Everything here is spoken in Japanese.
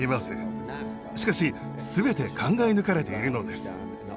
しかし全て考え抜かれているのです。